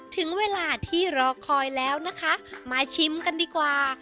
ถึงเวลาที่รอคอยแล้วนะคะมาชิมกันดีกว่า